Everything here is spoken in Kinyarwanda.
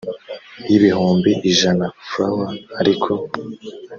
y ibihumbi ijana frw ariko